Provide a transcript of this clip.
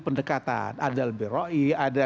pendekatan ada al bera'i ada